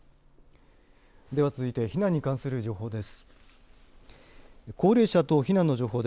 では続いて避難に関する情報です。